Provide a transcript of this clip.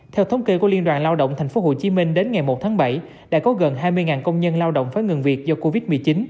theo thống kê của liên đoàn lao động tp hcm đến ngày một tháng bảy đã có gần hai mươi công nhân lao động phải ngừng việc do covid một mươi chín